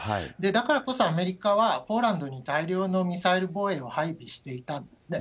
だからこそ、アメリカはポーランドに大量のミサイル防衛を配備していたんですね。